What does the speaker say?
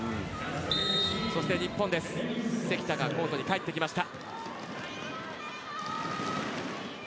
そして日本は関田がコートに帰ってきました。